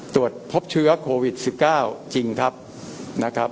ตรวจพบเชื้อโควิด๑๙จริงครับนะครับ